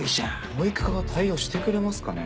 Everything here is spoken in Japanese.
保育課が対応してくれますかね？